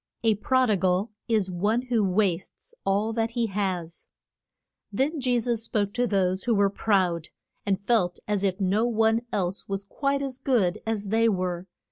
A prod i gal is one who wastes all that he has. Then Je sus spoke to those who were proud, and felt as if no one else was quite as good as they were.